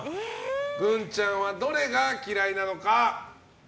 グンちゃんはどれが嫌いなのか。